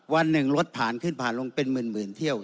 วันหนึ่งรถผ่านขึ้นผ่านลงเป็นหมื่นเที่ยว